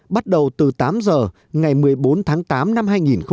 bắt đầu từ tám h ngày một mươi bốn tháng tám năm hai nghìn hai mươi